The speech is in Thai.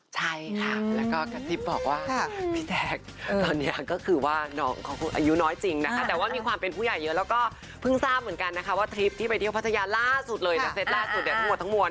ใช่ค่ะแล้วก็กระซิบบอกว่าพี่แจ๊คตอนนี้ก็คือว่าน้องเขาอายุน้อยจริงนะคะแต่ว่ามีความเป็นผู้ใหญ่เยอะแล้วก็เพิ่งทราบเหมือนกันนะคะว่าทริปที่ไปเที่ยวพัทยาล่าสุดเลยนะเซตล่าสุดเนี่ยทั้งหมดทั้งมวล